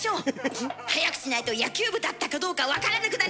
早くしないと野球部だったかどうか分からなくなります！